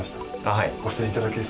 はい。